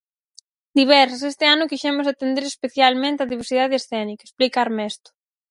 Diversas "Este ano quixemos atender especialmente a diversidade escénica", explica Armesto.